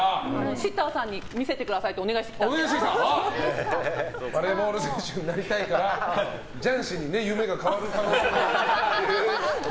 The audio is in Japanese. シッターさんに見せてくださいってバレーボール選手になりたいから雀士に夢が変わる可能性も。